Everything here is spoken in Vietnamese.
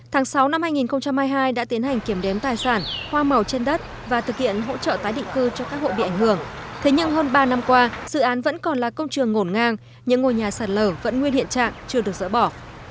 tháng sáu năm hai nghìn hai mươi hai đã tiến hành kiểm đếm tài sản hoa màu trên đất và thực hiện hỗ trợ tái định cư cho các hội bị ảnh hưởng thế nhưng hơn ba năm qua dự án vẫn còn là công trường ngổn ngang nhưng ngôi nhà sạt lở vẫn nguyên hiện trạng chưa được dỡ bỏ